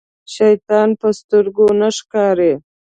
شيطان په سترګو نه ښکاري.